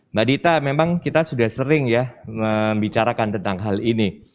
mbak dita memang kita sudah sering ya membicarakan tentang hal ini